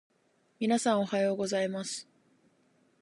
皆さん、おはようございます。